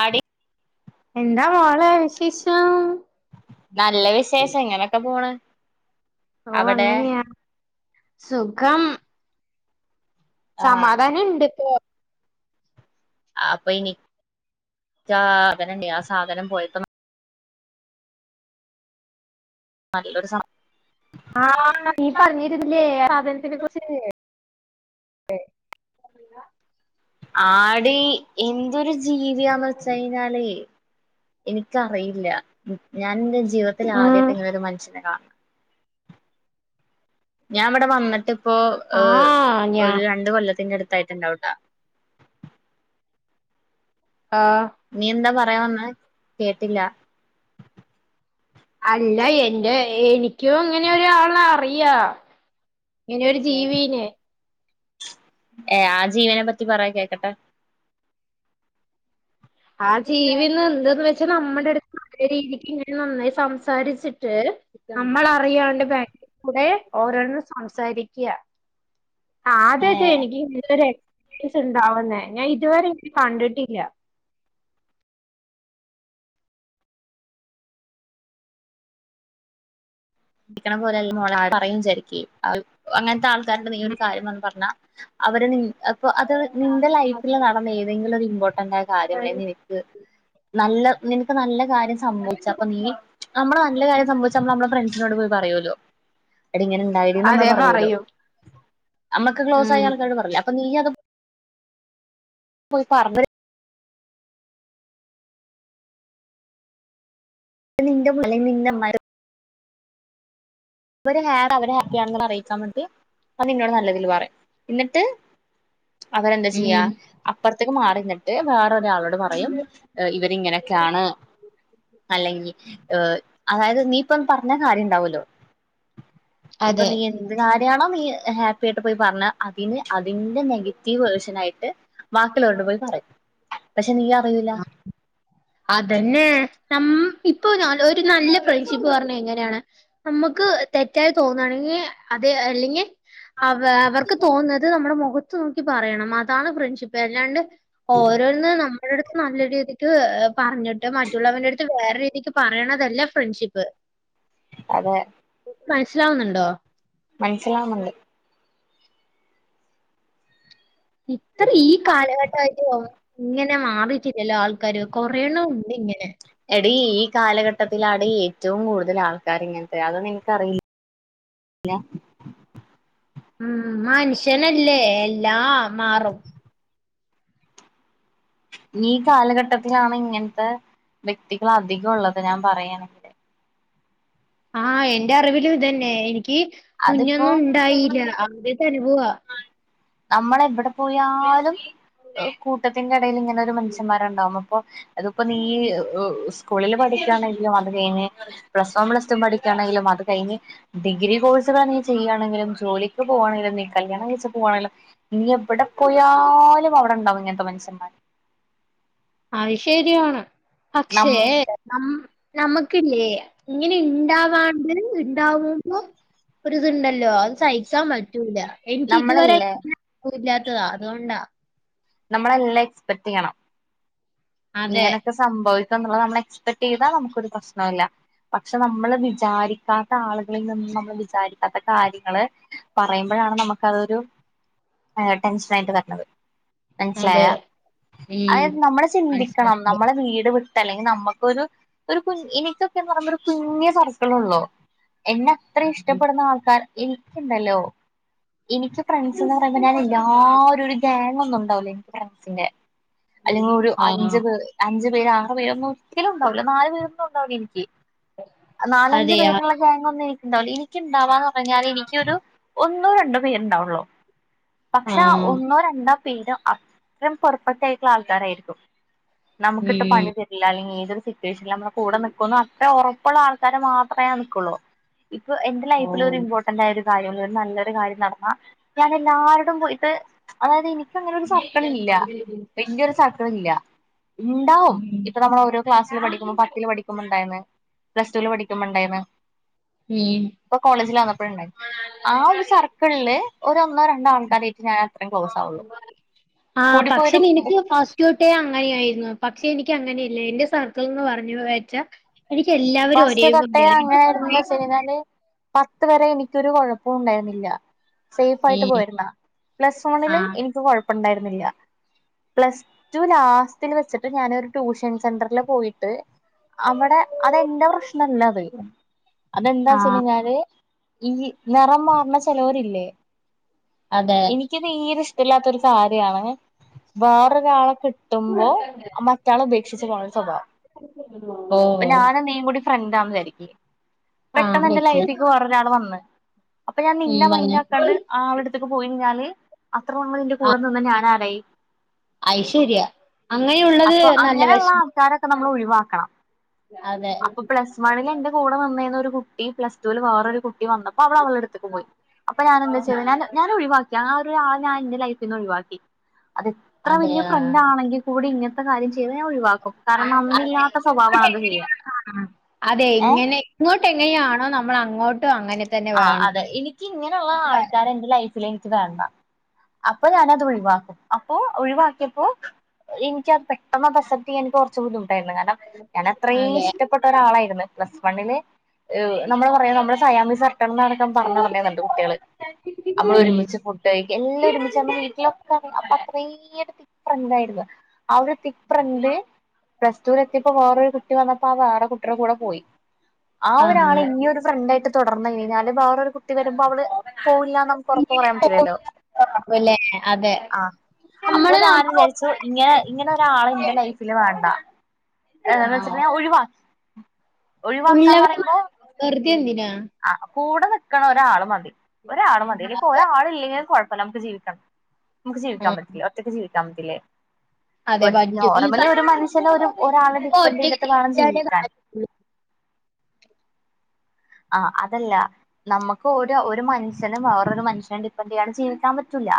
ആടി എന്താ മോളെ വിശേശം ക്ക പോണ് ഓ അവിടെ അങ്ങനെയാ സുഖം ആഹ് സമാധാനം ഇണ്ട് ഇപ്പോ അപ്പൊ ഇനി സാധനണ്ടേ ആ സാധനം പോയപ്പോ ന നല്ലൊരു ഒരു സ ആഹ് നീ പറഞ്ഞീര്ന്നില്ലേ ആ സാധനത്തിനെ കുറിച്ച് [unintelligible] ആടി എന്തൊരു ജീവിയാന്ന് വെച്ച് കഴിഞ്ഞാലേ എനിക്കറിയില്ല ഉം ഞാനെൻ്റെ ജീവിതത്തിലാദ്യായിട്ട ഉം ഇങ്ങനൊരു മനുഷ്യനെ കാണ്ണ് ഞാൻ ഇവടെ വന്നട്ടിപ്പോ ആഹ് ഞാ ഒരു രണ്ട് കൊല്ലത്തിന്റടുത് ത്തായിട്ട്ണ്ടാവുട്ടാ ആഹ് നീയെന്താ പർ പറയാൻ വന്നേ കേട്ടില്ല അല്ല എൻ്റെ എനിക്കും ഇങ്ങനെയൊരു ആളറിയാ ഇങ്ങനെയൊരു ജീവീനെ ഏ ആ ജീവീനെ പറ്റി പറയ് കേക്കട്ടെ ആ ജീവീന്നെന്ത്ന്ന് വെച്ച നമ്മടെടുത് തുവരെനിക്കിങ്ങനെ നന്നായി സംസാരിച്ചിട്ട് പേര്.. നമ്മളറിയാണ്ട് ബാക്കിക്കൂടെ ഓരോന്നും സംസാരിക്ക്യാ ഏഹ് ആദ്യായിട്ടെനിക്ക് ഇങ്ങനെത്തൊരു എക്സ്പീരിയൻസ് ഇണ്ടാവുന്നേ ഞാൻ ഇതുവരെ ഇങ്ങനെ കണ്ടിട്ടില്ല രിക്കണ പോലെല്ല മോളെ ആരും പറയും ചെരിക്കേ [inaudible] അങ്ങനത്തെ ആൾക് കാരോട് നീ ഒരു കാര്യം വന്ന് പറഞ്ഞാ അവര നീ അപ്പൊ അത് നിന്റെ ലൈഫില് നടന്ന ഏതെങ്കിലൊരു ഇമ്പോർട്ടൻ്റായ കാര്യല്ലെ നിനക്ക് നല്ല നിനക്ക് നല്ല കാര്യം സംഭവിച്ചപ്പ നീ നമ്മള് നല്ല കാര്യം സംഭവിച്ച നമ്മള് നമ്മള ഫ്രണ്ട് നോട് പോയി പറയൂല്ലോ എടീ ഇങ്ങനെ ഇണ്ടായെടീന്ന് നമ്മള് അതെ പറയൂലോ പറയൂ നമ്മക്ക് ഉം ക്ലോസായ ആൾക്കാരോട് പറല്ലേ അപ്പ നീ അത് പോയി പറഞ്ഞവര് നിൻ്റ മു [inaudible] അല്ലേ നിൻ്റമ്മായിടെ അവര് ഹാഡവര് ഹാപ്പിയാണെന്നറിയിക്കാൻ വേണ്ടി അ നിന്നോട് നല്ലതില് പറയും എന്നിട്ട് അവരെന്താ ചെയ്യ ഉം അപ്പറത്തേക്ക് മാറി ന്നട്ട് ഒരാളോട് പറയും ഇവരിങ്ങനൊക്കെയാണ് അല്ലെങ്കി അതായത് നീ ഇപ്പം പറഞ്ഞ കാര്യണ്ടാവൂല്ലോ ഇപ്പ അതെ നീയെന്ത് കാര്യാണോ നീയ് ഹാപ്പിയായിട്ട് പോയി പറഞ്ഞ അതിന് അതിന്റെ നെഗറ്റീവ് വേർഷനായിട്ട് ബാക്കിള്ളോരോട് പോയി പറയും പഷേ നീ അറിയുലാ അതന്നെ ന ഇപ്പൊ ഒരു നല്ല ഫ്രണ്ട്ഷിപ്പ് പറഞ്ഞ എങ്ങനാ ണ് നമുക്ക് തെറ്റായി തോന്നണെങ്കി അത് അല്ലെങ്കി അവ അവർക്ക് തോന്നുന്നത് നമ്മടെ മുഖ ത്തു നോക്കി പറയണം അതാണ് ഫ്രണ്ട്ഷിപ്പ് അല്ലാണ്ട് ഓരോന്ന് നമ്മടെടുത്ത് നല്ല രീതിക്ക് ഏഹ് പറഞ്ഞിട്ട് മറ്റുള്ളവന്റെടുത്ത് വേറെ രീതിക്ക് പ പറയണതല്ല ഫ്രണ്ട്ഷിപ്പ് അതെ മനസ്സിലാവ്ന്ന്ണ്ടോ മനസ്സിലാവൂന്നൊണ്ട് ഇത്ര ഈ കാലഘട്ടായിട്ട് [unintelligible] ഇങ്ങനെ മാറിട്ടി ചില ആൾക്കാര് കൊറയണം ഉണ്ട് ഇങ്ങനെ ട്ടത്തിലാണ് ഏറ്റവും കൂടുതൽ ആൾക്കാർ ഇങ്ങനത്തെ അതോ നിനക്ക്റിയില്ല ഉം മനുഷ്യനല്ലേ എ ല്ലാം മാറും. ഈ കാലഘട്ടത്തിലാണ് ഇങ്ങനത്തെ വ്യക്തികൾ അധികം ഉള്ളത് ഞാൻ പറയാനക്കെ. ആഹഹ് എന്റെ അറിവിലും ഇതന്നെ എനി ക്ക് അതിപ്പോ കുഞ്ഞൊന്നും ഉണ്ടായില്ല അവ ത്ത അനുഭവാ നമ്മള എവിടെ പോയാലും കൂട്ടത്തിന്റെ ഇടയിൽ ഇങ്ങനെ ഒരു മനുഷ്യന്മാർ ഉണ്ടാവും. ആഹ് അതിപ്പോ നീ സ്കൂളിൽ പഠിക്കുകയാണെങ്കിലും അത് കഴിഞ്ഞ് പ്ലസ് വൺ പ്ലസ് റ്റു പഠിക്കയാണെങ്കിലും അത് കഴിഞ്ഞു ഡിഗ്രി കോഴ്സുകൾ നീ ചെയ്യുകണെങ്കിലും ജോലിക്ക് പോവാണെങ്കിലും നീ കല്യാണം കൈച്ചു പോവാണെങ്കിലും നീ എവിടെ പോയാലും അവിടെ ഉണ്ടാവും ഇങ്ങനത്തെ മൻസമ്മാര് അത് ശരിയാണ് പക്ഷേ നമ്മ നം നമ്മുക്കില്ലേ ഇങ്ങനെ ഇണ്ടാവാണ്ട് ഉണ്ടാവുമ്പോ ഒര് ഇതുണ്ടല്ലോ അ സഹിക്കാൻ പറ്റൂല്ല എനിക്ക് ഇത് വരെ നമ്മളല്ലേ [unintelligible] പ്പൂല താ അതുകൊണ്ടാ നമ്മളെല്ലാ എക്സ്പെക്ട് ചെയ്യണം അതെ ഇങ്ങനെയൊക്കെ സംഭവി എന്നുള്ളത് നമ്മൾ എക്സ്പെക്ട് ചെയ്താ നമുക്കൊരു പ്രശ്നുല്ല പക്ഷെ നമ്മള് വിചാരിക്കാത്ത ആളുകളിൽ നിന്നും നമ്മൾ വിചാരിക്കാത്ത കാര്യങ്ങള് പറയുമ്പോഴാണ് നമക്ക് അതൊരു ടെൻഷനായിട്ട് വര്ണത് അതെ മനസ്സിലായാ ഉം അതായത് നമ്മള് ചിന്തിക്കണം മനസ്സിലായി നമ്മളെ വീട് വി അല്ലെങ്കിൽ നമ്മക്കൊരു കു എനിക്കൊക്കെന്ന് പറയുമ്പം ഒരു കുഞ്ഞ് സർക്ക്ളൊള്ളൂ എന്നാ ഇത്ര ഇഷ്ടപ്പെടുന്ന ആൾക്കാർ ഇനിക്ക്ണ്ടല്ലോ ഇനിക്ക് ഫ്രണ്ട്സ്ന്ന് പറയുമ്പം ഞാൻ എല്ലാരും ഒരു ഗ്യാ [unintelligible] [unintelligible] ച്ചിനെ അല്ലെങ്കിൽ ഒരു അഞ്ച് ആഹ് പേ അഞ്ചു പേരാണ് വേ ഒന്നും ഒരിക്കലും ണ്ടാവൂല നാല് പേരൊന്നും ഉണ്ടാവു എനിക്ക് നാലഞ്ച് അതെയാ പേരുള്ള ഗ്യാങ്ങൊന്നും എനി ഇണ്ടാവുല എനിക്ക്ണ്ടാവാ പറഞ്ഞാൽ എനിക്കൊരു ഒന്നോ രണ്ടോ പേരുണ്ടാവുള്ളോ പക്ഷെ ആ ആഹ് ഒന്നോ രണ്ടോ പീട അത്രം പൊറപ്പെട്ടായിട്ടുള്ള ആൾക്കാരായിരിക്കും നമുക്കിട്ട് ഉം പണി തരില്ല അല്ലെങ്കിൽ ഏതൊരു സി റ്റ്യേഷൻലും നമ്മടെ കൂടെ നിക്കുന്നു അത്ര ഒറ പ്പുള്ള ആൾക്കാരെ മാത്രേ ഞാൻ നിക്കുള്ളൂ ഇപ്പൊ എന്റെ ലൈഫിൽ ഒരു ഓഹ് ഇമ്പോർട്ടന്റ് ആയൊരു [unintelligible] നല്ലൊരു കാര്യം നടന്നാ ഞാനെല്ലാരോടും പോയിട്ട് അതായത് എനിക്കങ്ങനെ സ് സർക്കള് ഇല്ല ഉം വലിയൊരു സർക്കിള് ഇല്ല ഇണ്ടാവും ഇപ്പൊ നമ്മൾ ഓരോ ക്ലാസ്സില് പഠിക്കുമ്പോ പത്തിൽ പഠിക്കുമ്പോ ഇണ്ടായിന്ന് പ്ലസ്റ്റൂല് പഠിക്കുമ്പോ ഇണ്ടായിന്ന് ഉം ഇപ്പൊ കോളേജിൽ വ പ്പണ്ടായി ആ ഒരു സർക്കിളില് ഒര് ഒന്നോ രണ്ടോ ആൾക്കാരായിട്ട് ഞാൻ അത്രേയും ക്ലോസ് ആവുള്ളൂ ആ കൂടിപ്പോയ പക്ഷെ ഒരു നിനിക്ക് ഫസ്റ്റൊട്ടേ അങ്ങനെയായി പക്ഷെ എനിക്ക് അങ്ങനെ ഇല്ല എന്റെ സർക്ക്ൾന്ന് പറഞ്ഞ് വെച്ചാ എനിക്ക് എല്ലാവരും ഫസ്റ്റ് ഒരേ തൊട്ടേ പോലെയാണ് അങ്ങനെ എനിക്ക് കുറെ ആയിരുന്നൊയ്ച്ച്കഴിഞ്ഞാല് പത്ത് വരെ എനിക്കൊരു കൊഴപ്പും ഉണ്ടായിരുന്നില്ല സേഫ് ആയിട്ട് ഉം പോയിരുന്ന പ്ലസ് വണിലും ആഹ് എനിക്ക് കൊഴ ണ്ടായിരുന്നില്ല പ്ലസ് ടു ലാസ്റ് വെച്ചിട്ട് ഞാനരു ട്യൂഷൻ സെന്ററിില് പോയിട്ട് അവിടെ അതെന്റെ പ്രശ്നല്ലത് അതെന്താ വെച്ചു ആഹ് കഴിഞ്ഞാല് ഈ നിറം മാറണ ചിലവരില്ലേ അതെ എനിക്ക് തീരെ ഇഷ്ടല്ലാത്ത ത്തൊരു സാരിയാണ് വേറൊരാളെ കിട്ടുമ്പോ മറ്റാളെ ഉപേക്ഷിച്ചു പോണ സ്വഭാവം പിന്നെ ഓഹ് ഞാനും നീയും കൂടി രണ്ടാമത്തായിരിക്കും ആഹ് പെട്ടെന്ന് എന്റെ വിളിച്ച് ലൈഫിക്ക് വേറേ ഒരാൾ വന്നു [inaudible] അപ്പൊ ഞാൻ ഉം നിന്റെ പറഞ്ഞോ മൈൻഡ്ആക്കാണ്ട് അളടുത്ത് പോയി കഴിഞ്ഞാല് അത്ര നമ്മൾ എന്റെ കൂടെ നിന്ന് ഞാനാരായി അതുശരിയ അങ്ങനെയുള്ളത് അപ്പൊ നല്ല അങ്ങനെയുള്ള വിഷമം ആൾക്കാരൊക്കെ നമ്മൾ ഒഴിവാക്കണം അപ്പൊ പ്ലസ് വണില് എന്ത്‌ കൂടെ വന്ന്‌ നിന്നൊരു കുട്ടി പ്ലസ് റ്റ വേറൊരു കുട്ടി വന്നപ്പോ അവൾ അവളടുത്തേക്ക് പോയി അപ്പൊ ഞാൻ എന്താ വെച്ചുന്ന്‌ കഴിഞ്ഞാൽ ഞാൻ ഒഴിവാക്കി രാ ഞാൻ എന്റെ ലൈഫിൽന്ന് ഒഴിവാക്കി അത് അത്ര അതെ വലിയ ഫ്രണ്ട് ആണെങ്കിൽ കൂടി ഇങ്ങനത്തെ കാര്യം ചെയ്താൽ ഞാൻ ഒഴിവാക്കും കാരണം നന്മ ഇല്ലാത്ത സ്വഭാവം ആണ് ആൾടെ കയ്യിൽ ആഹ് അതെ ഇങ്ങനെ ഇങ്ങോട്ട് എങ്ങനെയാണോ നമ്മ നമ്മൾ അങ്ങോട്ട് ആഹ് അതെ എനിക്ക് ഇങ്ങനെയുള്ള ആൾക്കാര് എന്റെ ലൈഫിൽ എനിക്ക് വേണ്ട അപ്പൊ ഞാനത് ഒഴിവാക്കും അപ്പൊ ഒഴിവാക്കിയപ്പോ എനിക്കാ പെട്ടെന്ന് പ്രസക്തി എനിക്ക് കുറച്ചു കൂടി ആയില്ല കാരണം ഞാൻ അത്രയും അതെ ഇഷ്ടപ്പെട്ട ഒരാളായിരുന്നു പ്ലസ് കണ്ണില് ഉം നമ്മള് പറയാ നമ്മൾ സയാമിസ് ഇരട്ട നടക്കം പറഞ്ഞു നടക്കാ കുട്ടികള് നമ്മള് ഉം ഒരുമിച്ച് ഫുടഡ് കഴിക്ക എല്ലാം ഒരുമിച്ച് നമ്മ വീട്ടിലൊക്കെ അപ്പൊ അത്രയും ഫ്രണ്ടായിരുന്നു ആഹ് ഒരു തിക് ഫ്രണ്ട് പ്ലസ് ടുൽ എത്തിയപ്പോ വേറൊരു കുട്ടി വന്നപ്പോ ആഹ് വേറെ കുട്ടറേ കൂടെ പോയി ആഹ് ഒരാളെ ഇനി ഒരു ഫ്രണ്ട് ആായിട്ട് തുടർ ന്ന് കഴിഞ്ഞ്കഴിഞ്ഞാലും വേറരു കുട്ടി വരുമ്പോ അവള് പോവില്ലന്ന് നമുക്ക് ഉറപ്പ് പറയാൻ പറ്റില്ലല്ലോ ല്ലേ അതെ ആഹ്, അപ്പൊ നമ്മള് ഞാനും നമ്മ വിചാരിച്ചു ഇങ്ങനെ, ഇങ്ങനെ ഒരാള് എന്റെ ലൈഫില് വേണ്ട [unintelligible] ഒഴിവാ ഉള്ളവന് വെറുതെ എന്തിനാ ആണോ കൂടെ നിക്കണ ഒരാള് മതി ഒരാള് മതിയല്ലേ ഇപ്പൊ ഒരാള് ഇല്ലെങ്കിലും കൊഴ [unintelligible] നമുക്ക് ജീവിക്ക നമുക്ക് ജീവിക്കാൻ ആഹ് പറ്റില്ല ഒറ്റക്ക് ജീവി [unintelligible] അതെ ഒരു പറ്റും ഈ നോർമലി ഒരു മനുഷ്യന് ഒരു ഒരാളെ കാലത്ത്പ്പോ ഡിപ്പെൻഡ് ഒറ്റക്ക് ചെയ്തിട്ട് വേണം ജീവിച്ചാലേ ജീവിക്കാൻ കാര്യള്ളൂ ആഹ് അതല്ല നമ്മക്ക് ഒരോ, ഒരു മനുഷ്യനും വേറൊരു മനുഷ്യനെ ഡിപ്പെന്റ് ചെയ്യാണ്ട് ജീവിക്കാൻ പറ്റൂല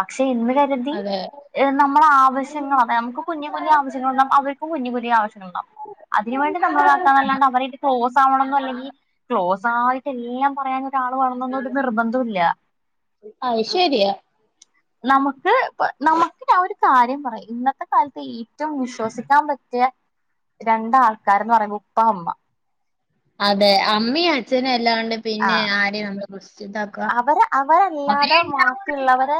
പക്ഷ് [unintelligible] എന്ന് കരുതി അതെ ഏഹ് നമ്മള ആവശ്യങ്ങൾ [unintelligible] നമുക്കും കുഞ്ഞു കുഞ്ഞു ആവശ്യങ്ങൾ [unintelligible] അവർക്കും കുഞ്ഞു പുതിയ ആവശ്യങ്ങൾ ഉണ്ടാവും അതിന് വേണ്ടി നമ്മള് [unintelligible] അല്ലാണ്ട് അവരെ ഇട്ടിട്ട് ക്ലോസ് ആവണം എന്ന് അല്ലെങ്കി ക്ലോസായിട്ട് എല്ലാം പറയാഞ്ഞു [unintelligible] വേണന്നൊന്നും ഒരു നിർബന്ധോം ഇല്ല അത് ശരിയാ നമുക്ക് ഇപ്പ നമുക്ക്ഞ ഒരു കാര്യം പറയായും ഇന്നത്തെ കാലത്ത് ഏറ്റവും വിശ്വസിക്കാൻ പറ്റിയ രണ്ടാൾക്കാരന്ന് പറയുമ്പോ ഉപ്പ അമ്മ അതെ അമ്മയും അച്ഛനും അല്ലാണ്ട് പിന്നെ ആരെയ നമ്മള്- കുറിച്ചിതാക്ക അവരെ അവരല്ലാതെ അവര് മാ- ഉള്ളവരെ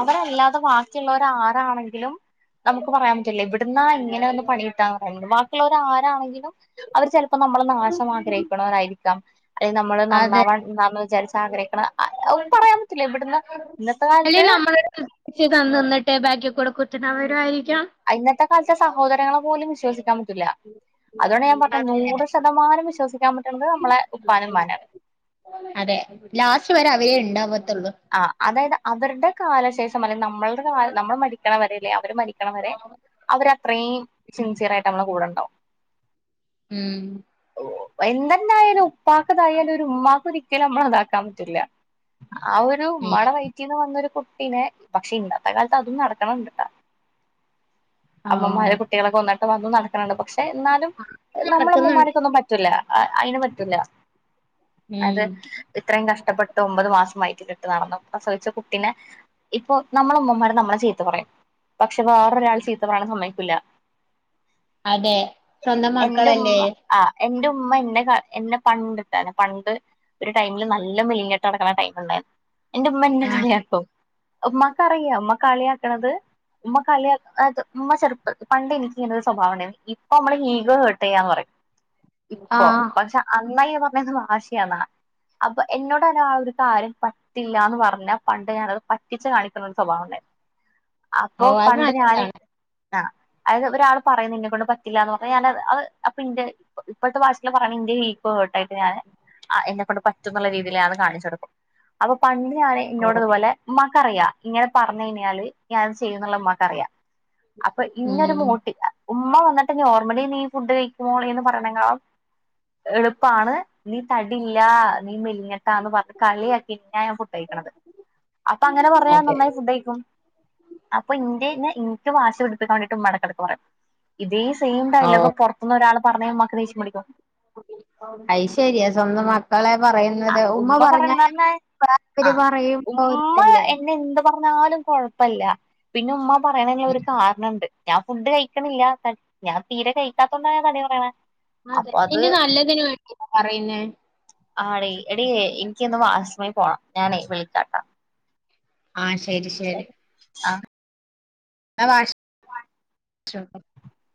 അവരല്ലാതെ ബാക്കിയുള്ളവർ ആരാണെങ്കിലും- നമുക്ക് പറയാൻ പറ്റില്ല എവിടുന്നാ എങ്ങനെയാ ഒന്ന് പണി കിട്ടാന്ന് പറയാൻ ബാക്കിയുള്ളവർക്- ഇപ്പൊ ആരാണെങ്കിലും അവര് ചെലപ്പോ- ഇപ്പൊ നമ്മള് നാശം ആഗ്രഹിക്കണവായിരിക്കും ഗം [unintelligible] അല്ലെ നമ്മള് അതെ നന്നാവവണ്ടന്ന് വിചാരിച്ചിട്ടില്ല അതെ പറയാൻ പറ്റില്ല ഇവിടുന്ന് ഇന്നത്തെ കാലത്ത്- േ ബാഗി കൊടുക്കത്തുന്നവരരിക്കും [unintelligible] ആ ഇന്നത്തെ കാലത്തെ സഹോദരങ്ങളെ പോലും വിശ്വസിക്കാൻ പറ്റില്ല അതുകൊണ്ട് ഞാൻ പറഞ്ഞ നൂറ് ശതമാനം വിശ്വ [unintelligible] അതെ ലാസ്റ്റ് വരെ അവരെ ഇണ്ടാക ആ അതായത് അവരുടെ കാലശേഷം അല്ലെ നമ്മളുടെ കാല നമ്മള് മരിക്കണവരല്ലേ അവര് മരി ക്കണ വരെ അവരത്രയും സിൻസിയർ ആയിട്ട് നമ്മെളെ കൂടെ ഇ ണ്ടാവും ഉം എന്തന്നെയാലും ഉപ്പക്ക്തായാലും ഒരു ഉമ്മാക്ക് ഒരിക്കലും നമ്മളെതാക്കാൻ പറ്റൂല. ആ ഒരു ഉമ്മടെ വൈറ്റിന്ന് വന്നൊരു കു ട്ടിനെ പക്ഷെ ഇന്നത്തെ കാലത്ത് അതും നടക്കാണെണ്ടാട്ടാ ഉം അമ്മമാരെ കുട്ടികളൊക്കെ കൊന്ന പ്പ അതും നടക്കാണെണ്ട് പക്ഷ എന്നാലും നമ്മളെ നടക്കുന്നുണ്ട് ഉമ്മമാര്ക്കൊന്നും പറ്റൂല. അ അയിന് പറ്റൂല. അത് ഉം ഇത്രയും കഷ്ടപ്പെട്ട് ഒമ്പത് മാസംമായി പ്പെട്ടു നടന്ന പ്രസവിച്ച കുട്ടിനെ ഇപ്പൊ നമ്മള് ഉമ്മമാര് നമ്മളെ ചീത്ത പറയും- പക്ഷെ വേറൊരാൾ ചീത്ത പറയാണെ സമ്മയി ക്കൂല്ല- അതെ സ്വന്തം മക്കളല്ലേ? ഉമ്മ ആ എന്റെ ഉമ്മ ഇന്നെ ക എന്നെ പണ്ട്ട്ട് പണ്ട് ഒരു ടൈമില് നല്ല മെലിഞ്ഞിട്ട് നടക്കണ ടൈം ണ്ടായിരുന്നു എന്റെ ഉമ്മന്നെ കളിയാക്കും- ഉമ്മക്ക്റിയാം ഉമ്മ കളിയാക്കണത് ഉമ്മ കളിയ ഉമ്മ ചെറുപ്പ പണ്ട് എനിക്ക് ഇങ്ങനെ ഒരു സ്വഭാവണ്ടായി- ഇപ്പൊ നമ്മള് ഹീഗോ ഹെർട്ട്യാന്ന് പറയും- ഇപ്പൊ ആഹ് പക്ഷെ അന്നയ് ണ്ണേത് വാശിയാന്നാ അപ്പൊ എന്നോട് ഒരാള് ഒരു കാര്യം പറ പറ്റില്ലന്ന് പറഞ്ഞാ പണ്ട് ഞാനത് പറ്റിച്ച് കാണിക്കുന്നൊരു സ്വഭാവം ഒണ്ടാ അപ്പൊ ഓ അത് പണ്ട് ഞാന് നല്ലതാണ് ആ അത് ഒരാള് പറയും നിന്നെ കൊണ്ട് പറ്റില്ല എന്ന് പറഞ്ഞാ ഞാൻ അത് അത് അപ്പൊ ഇന്റെ ഇപ്പോഴത്തെ ഭാഷേല് പറയണ ഇന്റെ ഇ ഗോഹർട്ടായിട്ട് ഞാന് ആ എന്നെ കൊണ്ട് പറ്റുന്നുള്ള രീതിയിലത് കാണിച്ചൊടുക്കും- അപ്പ പണ്ട്- ഞാന് ഇന്നോട് ഇതുപോലെ മ്മ ക്കറിയാം ഇങ്ങനെ പറഞ്ഞു കഴിഞ്ഞാല് ഞാൻ ചെയ്യുന്നുള്ളത് ഉമ്മാക്ക് അറിയാം അപ്പ ഇന്നൊരു ഉം മോട്ടില്ല ഉമ്മ വന്നിട്ട് നോർമലി നീ ഫുഡ് കഴിക്കുമോളെന്ന് പറയണെകാളും എളുപ്പാണ് നീ തടില്ലാ നീ മെലിഞ്ഞിട്ടാന്ന് പറഞ്ഞ് കളിയാ പിന്നാ ഞാ ഫുഡ് കഴിക്കണത്. അപ്പൊ അങ്ങനെ പറഞ്ഞാ അതെ നന്നായി ഫുഡ് കയിക്കും അപ്പൊ ഇന്റെന്നെ ഇനിക്ക് വാ ശിപിടിപ്പിക്കൻ വേണ്ടിട്ട് ഉമ്മാനെ കടക്ക്പറയും ഇതേ സെയിം ഓ ഡയലോഗ് പുറത്തുന്നൊരാള് പറഞ്ഞമ്മാക്ക് ദേഷ്യം പിടിക്കും അയ് ശരിയാ സ്വന്തം മക്കളെ പറയുന്നത് ഉമ്മ പറയണന്ന് പറഞ്ഞാലും പറഞ്ഞാ ആ [unintelligible] ഉമ്മ തല്ലേ എന്നെ എന്ത് പറഞ്ഞാലും കുഴപ്പല്ല പിന്നെ ഉമ്മ പറയണെന് ഒരു കാരണൊണ്ട് ഞാൻ ഫുഡ് കഴിക്കണില്ല താ ഞാൻ തീരെ കഴിക്കാത്തൊണ്ടാണ് തടി കൊറയണെ അതെ ന്റെ നല്ലതിനുവേണ്ടി പറയുന്നേ ആടി എടിയെ എനിക്കൊന്ന് വാഷ്റൂമിൽ പോണം ഞാനേ വിളിക്കാട്ടാ. ആ ശരി ശരി ആ അ വാഷ് [unintelligible]